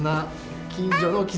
近所の絆